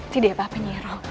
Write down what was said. tidak apa apa nyiiroh